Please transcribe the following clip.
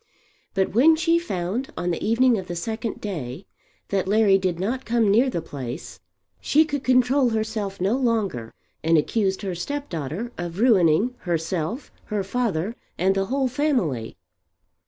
But when she found on the evening of the second day that Larry did not come near the place she could control herself no longer, and accused her step daughter of ruining herself, her father, and the whole family.